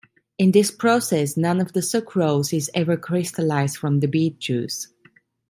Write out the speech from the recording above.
In this process none of the sucrose is ever crystallized from the beet juice.